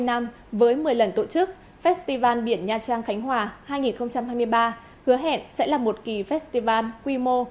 hai mươi năm với một mươi lần tổ chức festival biển nha trang khánh hòa hai nghìn hai mươi ba hứa hẹn sẽ là một kỳ festival quy mô